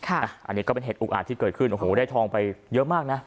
อันนี้ก็เป็นเหตุอุกอาจที่เกิดขึ้นโอ้โหได้ทองไปเยอะมากนะ